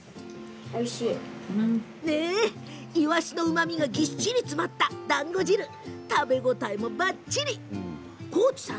イワシのうまみがぎっちり詰まっただんご汁食べ応えもばっちりです。